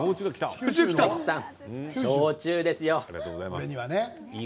大吉さん、焼酎ですよ。